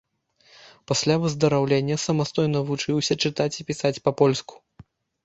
Пасля выздараўлення самастойна вучыўся чытаць і пісаць па-польску.